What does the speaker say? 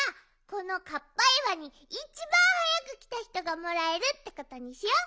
このカッパいわにいちばんはやくきたひとがもらえるってことにしよ。